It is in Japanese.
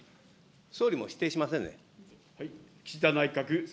総理も否定しませんね。